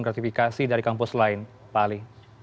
gratifikasi dari kampus lain pak ali